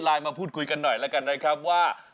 มาพูดคุยกันหน่อยแล้วกันนะครับว่า